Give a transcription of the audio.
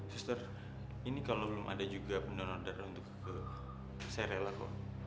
sister ini kalau belum ada juga pendonor darah untuk kege saya rela bu